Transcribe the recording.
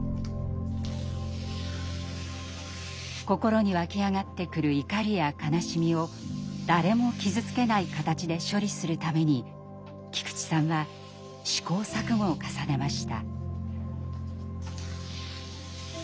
心に湧き上がってくる怒りや悲しみを誰も傷つけない形で処理するために菊池さんは試行錯誤を重ねました。